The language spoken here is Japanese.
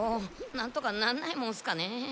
なんとかなんないもんすかね。